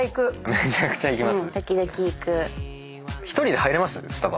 めちゃくちゃ行きます？